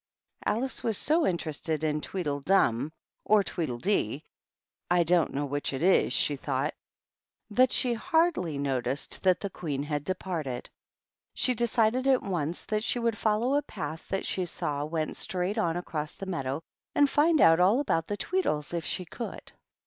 Alice was so interested in Tweedle Dum, o Tweedle Dee (" I don't know which it is," sh thought), that she hardly noticed that the Quee THE TWEEDLES. 271 had departed. She decided at once that she would follow a path that she saw went straight on across the meadow, and find out all about the Tweedles if she could.